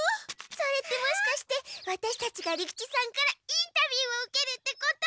それってもしかしてワタシたちが利吉さんからインタビューを受けるってこと？